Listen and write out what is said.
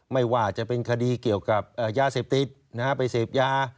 ไม่ว่าจะเป็นคดีเกี่ยวกับยาเสพติดไปเสพยา